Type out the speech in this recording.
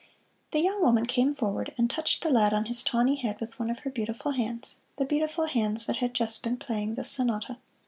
The young woman came forward and touched the lad on his tawny head with one of her beautiful hands the beautiful hands that had just been playing the "Sonata."